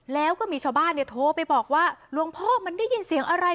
แล้วก็มีชาวบ้านเนี่ยโทรไปบอกว่าหลวงพ่อมันได้ยินเสียงอะไร